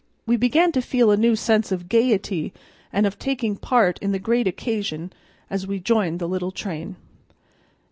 We began to feel a new sense of gayety and of taking part in the great occasion as we joined the little train.